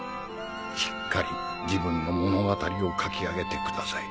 しっかり自分の物語を書き上げてください。